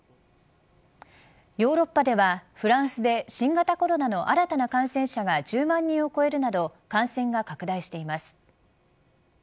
ヨーロッパではフランスで新型コロナの新たな感染者が１０万人を超えるなど感染が拡大しています。